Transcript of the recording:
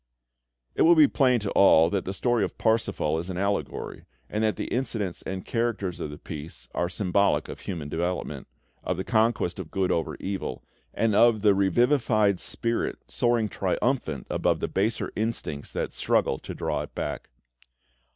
It will be plain to all that the story of "Parsifal" is an allegory, and that the incidents and characters of the piece are symbolic of human development, of the conquest of good over evil, and of the revivified spirit soaring triumphant above the baser instincts that struggle to draw it back.